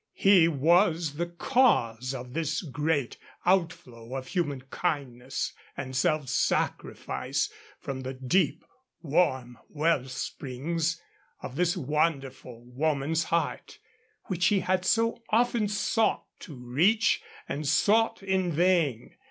He was the cause of this great outflow of human kindness and self sacrifice from the deep, warm well springs of this wonderful woman's heart, which he had so often sought to reach and sought in vain.